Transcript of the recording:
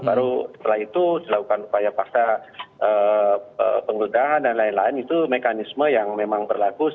baru setelah itu dilakukan upaya paksa penggeledahan dan lain lain itu mekanisme yang memang berlaku